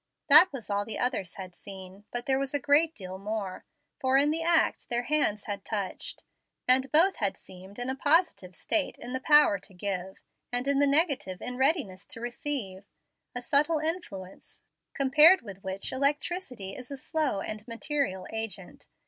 That was all the others had seen; but there was a great deal more, for in the act their hands had touched, and both had seemed in a positive state in the power to give, and in the negative in readiness to receive, a subtile influence, compared with which electricity is a slow and material agent.